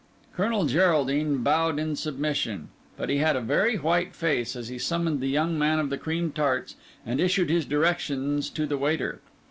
Colonel Geraldine bowed in submission; but he had a very white face as he summoned the young man of the cream tarts, and issued his directions to the waiter.